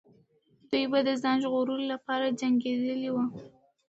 دوی به د ځان ژغورلو لپاره جنګېدلې وو.